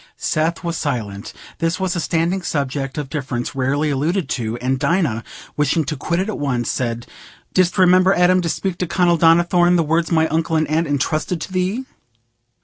Seth was silent. This was a standing subject of difference rarely alluded to, and Dinah, wishing to quit it at once, said, "Didst remember, Adam, to speak to Colonel Donnithorne the words my uncle and aunt entrusted to thee?"